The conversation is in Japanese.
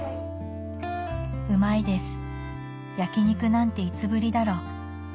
「うまいです焼き肉なんていつぶりだろ。